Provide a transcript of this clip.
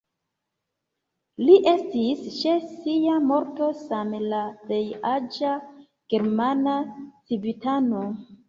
Li estis ĉe sia morto same la plej aĝa germana civitano.